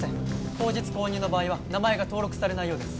当日購入の場合は名前が登録されないようです